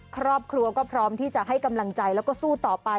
ครอบครัวก็พร้อมที่จะให้กำลังใจแล้วก็สู้ต่อไป